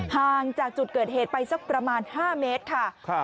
ห่างจากจุดเกิดเหตุไปสักประมาณ๕เมตรค่ะ